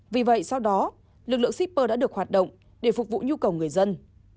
vì vậy sau đó lực lượng shipper đã được hoạt động để phục vụ nhu cầu người dân